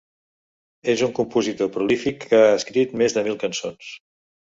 És un compositor prolífic que ha escrit més de mil cançons.